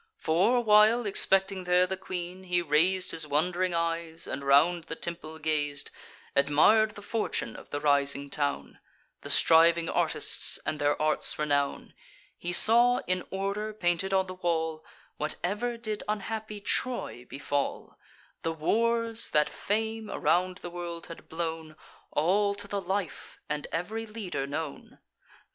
For while, expecting there the queen, he rais'd His wond'ring eyes, and round the temple gaz'd, Admir'd the fortune of the rising town, The striving artists, and their arts' renown; He saw, in order painted on the wall, Whatever did unhappy Troy befall: The wars that fame around the world had blown, All to the life, and ev'ry leader known.